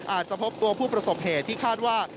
อาจจะพบตัวผู้ประสบเหตุที่คาดว่า